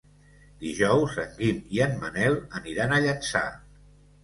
Dijous en Guim i en Manel aniran a Llançà.